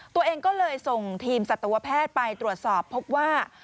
ตัวเองก็เลยส่งทีมสัตวแพทย์ไปตรวจสอบพบว่า